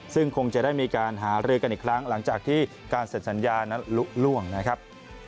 ซึ่งคงจะได้มีการหารือกันอีกครั้งหลังจากที่การเสร็จสัญญานั้นลุล่วงนะครับ